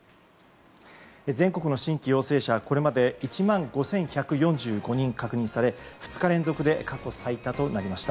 全国の新規陽性者はこれまで１万５１４５人確認され２日連続で過去最多となりました。